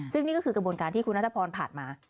ซึ่งนี่ก็คือกระบวนการที่คุณนัทพรผ่านมา